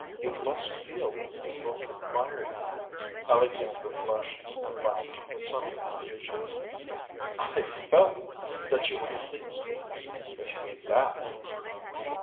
You must feel when people admire you." Alexandra blushed and laughed with some confusion. "I felt that you were pleased with me, if you mean that."